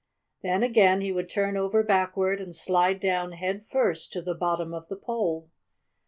Then, again, he would turn over backward and slide down head first to the bottom of the pole.